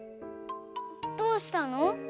どうしたの？